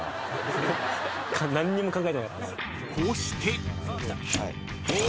［こうして］